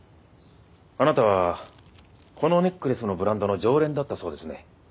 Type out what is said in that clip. あなたはこのネックレスのブランドの常連だったそうですね。